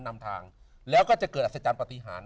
นำทางแล้วก็จะเกิดอัศจรรย์ปฏิหาร